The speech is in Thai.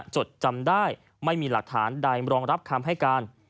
จดจำได้ไม่มีหลักฐานใดรองรับคำให้การ